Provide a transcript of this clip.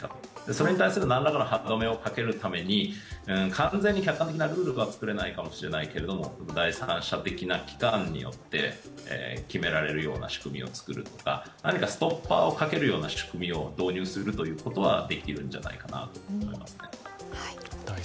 それに対する何らかの歯止めをかけるために完全に客観的なルールは作れないかもしれないけど第三者的な機関によって決められるような仕組みを作るとか何かストッパーをかけるような仕組みを導入することはできるんじゃないかと思いますね。